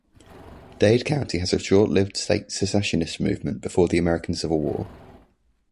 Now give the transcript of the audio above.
Dade County had a short-lived state secessionist movement before the American Civil War.